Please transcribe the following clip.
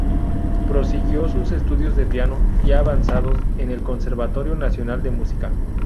Prosiguió sus estudios de piano, ya avanzados, en el Conservatorio Nacional de Música.